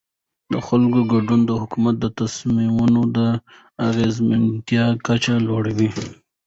د خلکو ګډون د حکومت د تصمیمونو د اغیزمنتیا کچه لوړوي